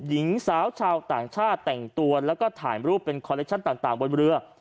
หญิงสาวชาวต่างชาติแต่งตัวแล้วก็ถ่ายรูปเป็นคอลเลคชั่นต่างบนเรือ